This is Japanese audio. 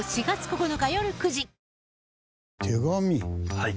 はい。